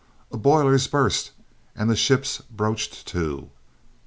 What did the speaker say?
"A boiler's burst and the ship broached to!"